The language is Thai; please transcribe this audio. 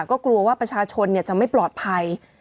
ก็กลัวว่าประชาชนจะไม่ปลอดภัย